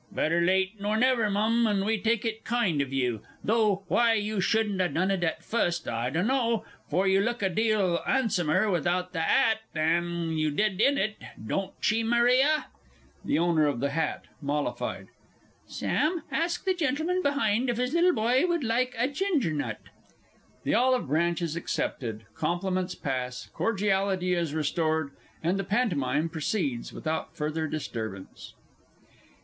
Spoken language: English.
Better late nor never, Mum, and we take it kind of you. Though, why you shouldn't ha' done it at fust, I dunno; for you look a deal 'ansomer without the 'at than what you did in it don't she, Maria? THE O. OF THE H. (mollified). Sam, ask the gentleman behind if his little boy would like a ginger nut. [_This olive branch is accepted; compliments pass; cordiality is restored, and the Pantomime proceeds without further disturbance.